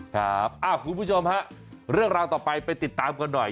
คุณผู้ชมฮะเรื่องราวต่อไปไปติดตามกันหน่อย